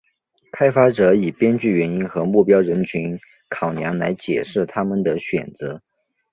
开发者以编剧原因和目标人群考量来解释他们的选择。